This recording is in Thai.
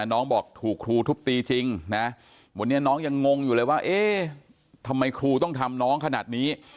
น้องบอกถูกครูทุบตีจริงนะวันนี้น้องยังงงอยู่เลยว่าเอ๊ะทำไมครูต้องทำน้องขนาดนี้